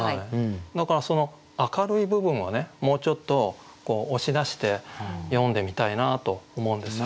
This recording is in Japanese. だからその明るい部分はもうちょっと押し出して詠んでみたいなと思うんですよ。